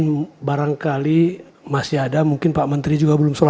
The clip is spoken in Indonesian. saya harus tidaklah semakin tinggi agar dengan bendende awas